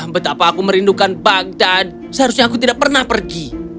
betapa aku merindukan baghdad seharusnya aku tidak pernah pergi